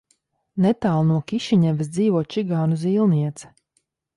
Netālu no Kišiņevas dzīvo čigānu zīlniece.